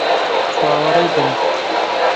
چاوەڕێ بن!